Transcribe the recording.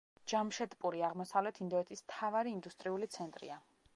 ჯამშედპური აღმოსავლეთ ინდოეთის მთავარი ინდუსტრიული ცენტრია.